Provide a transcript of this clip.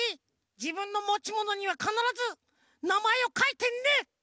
じぶんのもちものにはかならずなまえをかいてね！